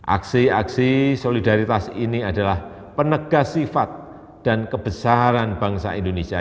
aksi aksi solidaritas ini adalah penegah sifat dan kebesaran bangsa indonesia